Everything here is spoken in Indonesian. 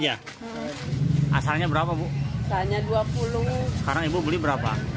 udah biasa ya bu mau menata udah biasa ya